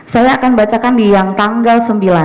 saya akan bacakan di yang tanggal sembilan